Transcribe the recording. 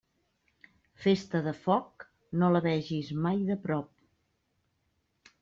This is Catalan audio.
Festa de foc, no la vegis mai de prop.